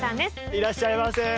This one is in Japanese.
いらっしゃいませ。